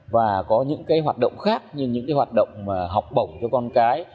và có những hoạt động khác như những hoạt động học bổng cho con cái